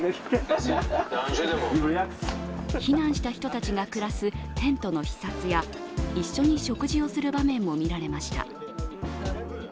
避難した人たちが暮らすテントの視察や、一緒に食事をする場面も見られました。